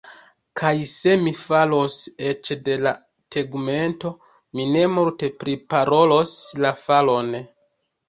Kaj se mi falos eĉ de la tegmento, mi ne multe priparolos la falon.